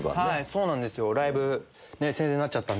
そうなんですよライブ。